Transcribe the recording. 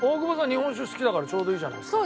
日本酒好きだからちょうどいいじゃないですか。